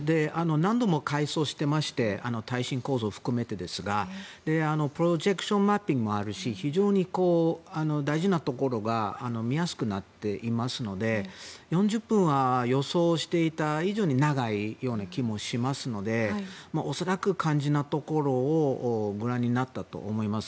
何度も改装してまして耐震構造を含めてですがプロジェクションマッピングもあるし非常に大事なところが見やすくなっていますので４０分は予想していた以上に長いような気もしますので恐らく肝心なところをご覧になったと思います。